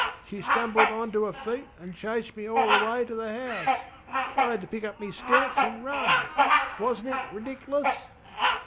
ŌĆö she stumbled onter her feet anŌĆÖ chased me all the way to the house! I had to pick up me skirts anŌĆÖ run! WasnŌĆÖt it redicŌĆÖlus?